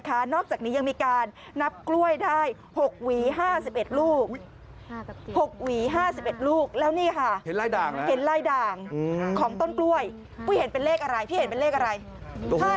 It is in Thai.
อาจมัยคุณสุภาโทษโทษ